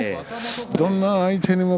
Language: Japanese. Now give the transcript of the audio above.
どんな相手にも。